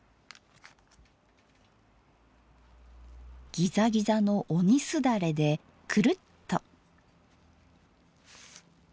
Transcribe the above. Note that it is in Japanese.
ギザギザの鬼すだれでくるっと。